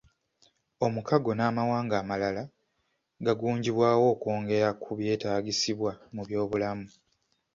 Omukago n'amawanga amalala gwagunjibwawo okwongera ku byetaagisibwa mu byobulamu.